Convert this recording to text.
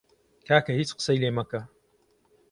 کاکە هیچ قسەی لێ مەکە!